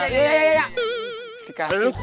jompet kalian berdua mana